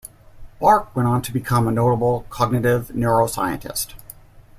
Barke went on to become a notable cognitive neuroscientist.